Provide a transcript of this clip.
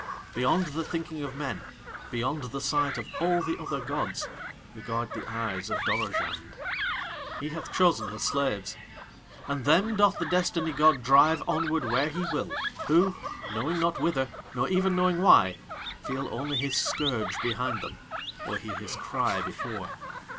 Beyond the thinking of men, beyond the sight of all the other gods, regard the eyes of Dorozhand. He hath chosen his slaves. And them doth the destiny god drive onward where he will, who, knowing not whither nor even knowing why, feel only his scourge behind them or hear his cry before.